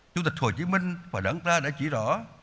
chủ tịch hồ chí minh và đảng ta đã chỉ rõ